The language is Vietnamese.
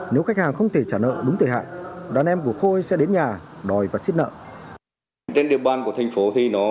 nếu khách hàng không thể trả nợ đúng thời hạn đàn em của khôi sẽ đến nhà đòi và xiết nợ